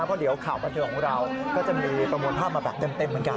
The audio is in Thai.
เพราะเดี๋ยวข่าวบันเทิงของเราก็จะมีประมวลภาพมาแบบเต็มเหมือนกัน